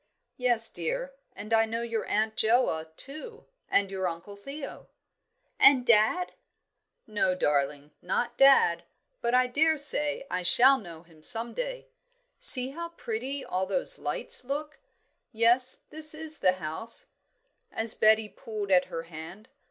"Yes, dear; and I know your Aunt Joa, too, and your Uncle Theo." "And dad?" "No, darling, not dad. But I daresay I shall know him some day. See how pretty all those lights look! Yes, this is the house," as Betty pulled at her hand.